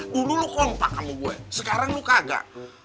dulu lo kompak sama gue sekarang lo kagak